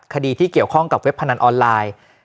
คดีที่เกี่ยวข้องกับเว็บพนันออนไลน์